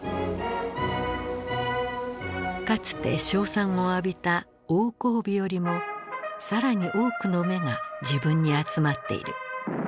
かつて称賛を浴びた王光美よりも更に多くの目が自分に集まっている。